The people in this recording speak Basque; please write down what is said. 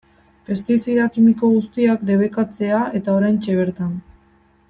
Pestizida kimiko guztiak debekatzea eta oraintxe bertan.